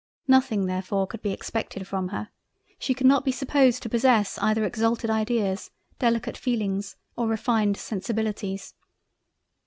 Nothing therfore could be expected from her—she could not be supposed to possess either exalted Ideas, Delicate Feelings or refined Sensibilities—.